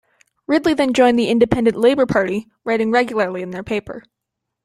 Ridley then joined the Independent Labour Party, writing regularly in their paper.